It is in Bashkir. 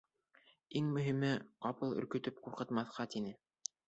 Иң мөһиме -ҡапыл өркөтөп ҡуймаҫҡа, тине.